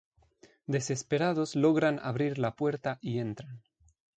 Desesperados logran abrir la puerta y entran.